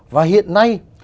và hiện nay